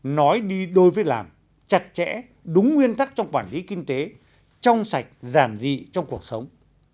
nói đi đôi với làm chặt chẽ đúng nguyên tắc trong quản lý kinh tế trong sạch giản dị trong cuộc sống